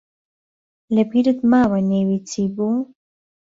لەبیرت ماوە نێوی چی بوو؟